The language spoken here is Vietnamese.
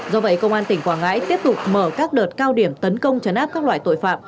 do vậy công an tỉnh quảng ngãi tiếp tục mở các đợt cao điểm tấn công chấn áp các loại tội phạm